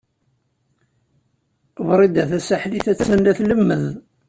Wrida Tasaḥlit a-tt-an la tlemmed.